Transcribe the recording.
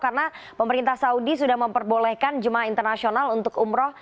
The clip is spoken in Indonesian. karena pemerintah saudi sudah memperbolehkan jum'ah internasional untuk umroh